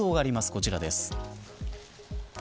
こちらです。